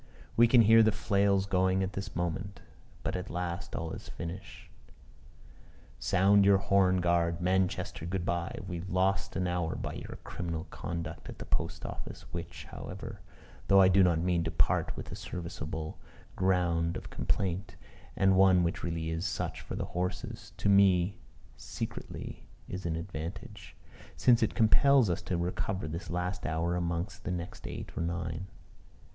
We can hear the flails going at this moment. But at last all is finished. Sound your horn, guard. Manchester, good bye; we've lost an hour by your criminal conduct at the post office; which, however, though I do not mean to part with a serviceable ground of complaint, and one which really is such for the horses, to me secretly is an advantage, since it compels us to recover this last hour amongst the next eight or nine.